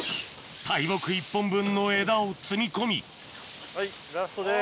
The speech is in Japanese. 大木１本分の枝を積み込みはいラストです。